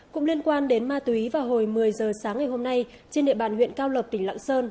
cũng liên quan đến ma túy vào hồi một mươi giờ sáng ngày hôm nay trên địa bàn huyện cao lộc tỉnh lạng sơn